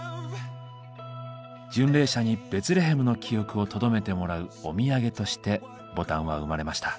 巡礼者にベツレヘムの記憶をとどめてもらうお土産としてボタンは生まれました。